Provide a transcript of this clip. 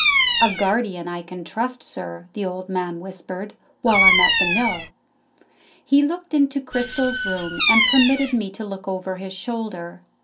"A guardian I can trust, sir," the old man whispered, "while I'm at the mill." He looked into Cristel's room, and permitted me to look over his shoulder.